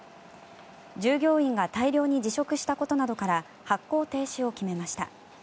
従業員が大量に辞職したことなどから発行停止を決めました。